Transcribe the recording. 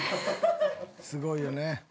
すごいよね